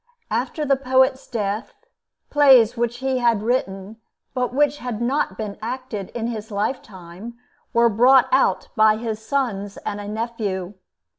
After the poet's death, plays which he had written, but which had not been acted in his lifetime, were brought out by his sons and a nephew.